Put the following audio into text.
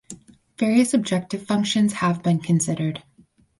Various objective functions have been considered.